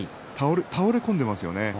倒れ込んでいますよね。